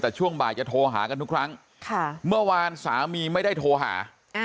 แต่ช่วงบ่ายจะโทรหากันทุกครั้งเมื่อวานสามีไม่ได้โทรหา